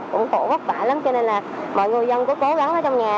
cũng khổ gốc bã lắm cho nên là mọi người dân cứ cố gắng ở trong nhà